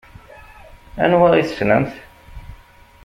Anwa i tessnemt?